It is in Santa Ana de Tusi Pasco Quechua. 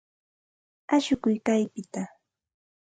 Ashukuy kaypita.